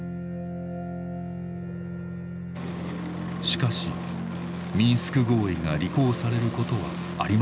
しかしミンスク合意が履行されることはありませんでした。